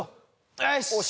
よし。